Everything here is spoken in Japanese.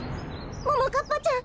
ももかっぱちゃん